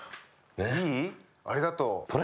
ありがとう。これ？